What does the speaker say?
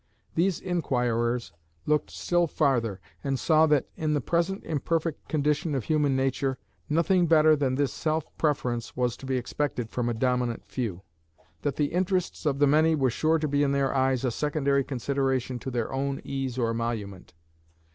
These inquirers looked still farther, and saw, that, in the present imperfect condition of human nature, nothing better than this self preference was to be expected from a dominant few; that the interests of the many were sure to be in their eyes a secondary consideration to their own ease or emolument.